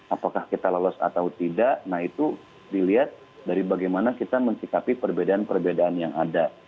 apakah kita lolos atau tidak nah itu dilihat dari bagaimana kita mencikapi perbedaan perbedaan yang ada